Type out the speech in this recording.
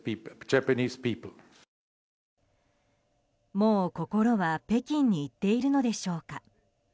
もう心は北京に行っているのでしょうか。